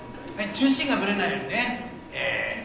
中心がぶれないようにね。